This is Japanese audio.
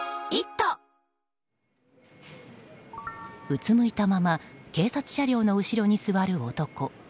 うつむいたまま警察車両の後ろに座る男。